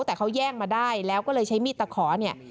แต่เขาแย่งมาได้แล้วก็เลยใช้มีดตะขอเนี่ย